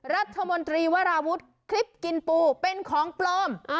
รัฐมนตรีวราวุฒิคลิปกินปูเป็นของปลอม